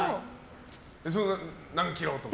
何キロとか。